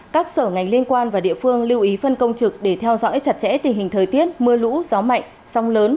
các sở ngành liên quan và địa phương lưu ý phân công trực để theo dõi chặt chẽ tình hình thời tiết mưa lũ gió mạnh sóng lớn